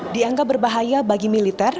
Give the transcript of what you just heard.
dianggap berbahaya bagi militer